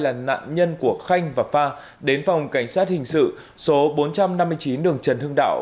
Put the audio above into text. công an tp hcm thông báo ai là nạn nhân của khanh và phan đến phòng cảnh sát hình sự số bốn trăm năm mươi chín đường trần hưng đạo